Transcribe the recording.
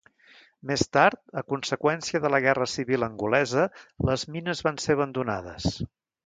Més tard a conseqüència de la Guerra Civil angolesa les mines van ser abandonades.